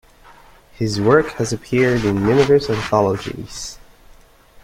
His work has appeared in numerous anthologies.